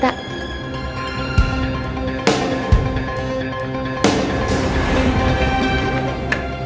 udah gak ada cinta